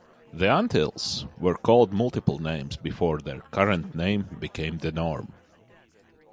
The Antilles were called multiple names before their current name became the norm.